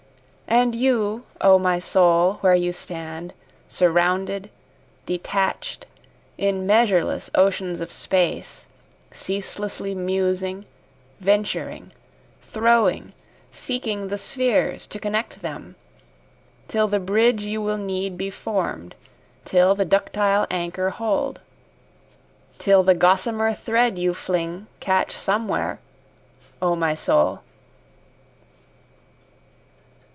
And you O my soul where you stand, Surrounded, detached, in measureless oceans of space, Ceaselessly musing, venturing, throwing, seeking the spheres to connect them, Till the bridge you will need be form'd, till the ductile anchor hold, Till the gossamer thread you fling catch somewhere, O my soul.